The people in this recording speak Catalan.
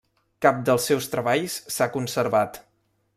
Cap dels seus treballs s'ha conservat.